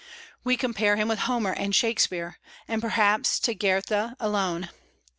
We compare him with Homer and Shakspeare, and perhaps Goethe, alone.